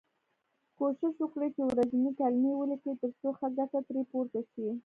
کوښښ وکړی چې ورځنۍ کلمې ولیکی تر څو ښه ګټه ترې پورته شی.